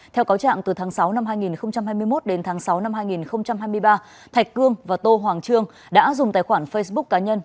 theo cáo trạng từ tháng sáu năm hai nghìn hai mươi một đến tháng sáu năm hai nghìn hai mươi ba thạch cương và tô hoàng trương đã dùng tài khoản facebook cá nhân